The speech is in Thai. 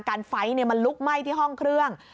ไฟมันลุกไหม้ที่ห้องเครื่อง